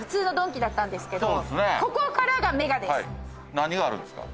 何があるんですか？